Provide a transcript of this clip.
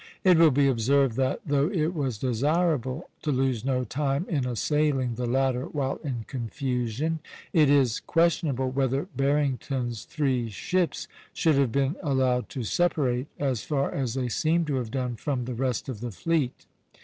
It will be observed that, though it was desirable to lose no time in assailing the latter while in confusion, it is questionable whether Barrington's three ships should have been allowed to separate as far as they seem to have done from the rest of the fleet.